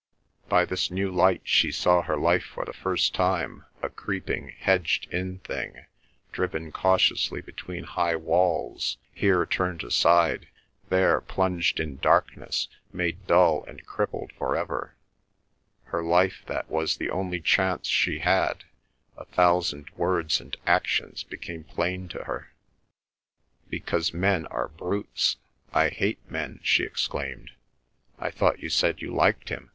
By this new light she saw her life for the first time a creeping hedged in thing, driven cautiously between high walls, here turned aside, there plunged in darkness, made dull and crippled for ever—her life that was the only chance she had—a thousand words and actions became plain to her. "Because men are brutes! I hate men!" she exclaimed. "I thought you said you liked him?"